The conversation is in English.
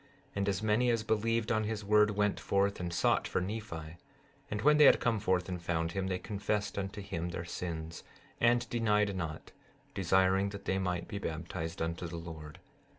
And as many as believed on his word went forth and sought for Nephi; and when they had come forth and found him they confessed unto him their sins and denied not, desiring that they might be baptized unto the Lord.